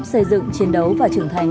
xây dựng chiến đấu và trưởng thành